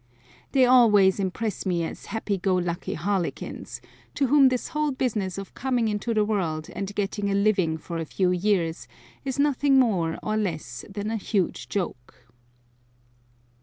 They always impress me as happy go lucky harlequins, to whom this whole business of coming into the world and getting a living for a few years is nothing more nor less than a huge joke.